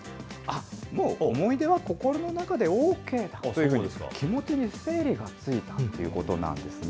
もう、思い出は心の中でＯＫというふうに、気持ちに整理がついたということなんですね。